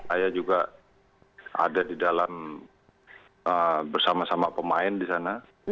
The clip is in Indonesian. saya juga ada di dalam bersama sama pemain di sana